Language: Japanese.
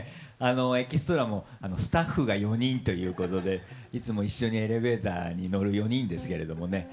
エキストラもスタッフが４人ということでいつも一緒にエレベーターに乗る４人ですけどね